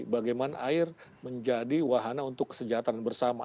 bagaimana air menjadi wahana untuk kesejahteraan bersama